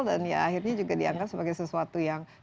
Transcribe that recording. dan ya akhirnya juga dianggap sebagai sesuatu yang sah dan halus